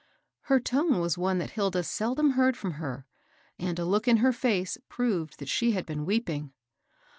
Her tone was one that Hilda seldom heard from her, and a look in her &ce proved that she had been weeping.